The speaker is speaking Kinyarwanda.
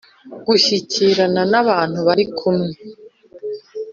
gushyikirana nabantu barikumwe